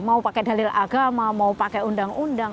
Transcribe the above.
mau pakai dalil agama mau pakai undang undang